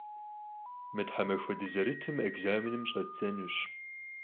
Mı themaxue dızerıtım ekzamenım ş'eddzenuş.